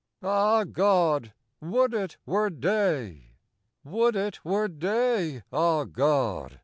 Ah God! would it were day! "Would it were day, ah God!